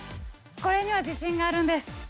これには自信があるんです！